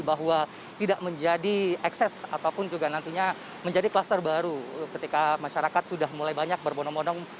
bahwa tidak menjadi ekses ataupun juga nantinya menjadi kluster baru ketika masyarakat sudah mulai banyak berbonong bonong